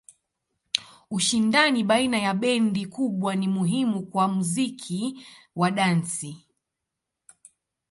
Ushindani baina ya bendi kubwa ni muhimu kwa muziki wa dansi.